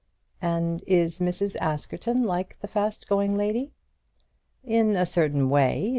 "And is Mrs. Askerton like the fast going lady?" "In a certain way.